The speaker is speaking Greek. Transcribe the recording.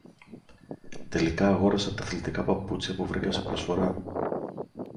Τελικά αγόρασα τα αθλητικά παπούτσια που βρήκα σε προσφορά.